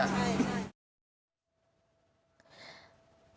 ใช่